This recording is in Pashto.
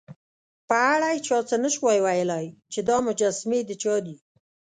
په اړه یې چا څه نه شوای ویلای، چې دا مجسمې د چا دي.